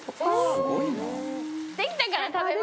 「すごいな！」